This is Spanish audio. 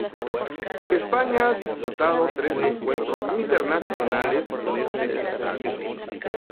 España ha disputado tres encuentros internacionales en este estadio.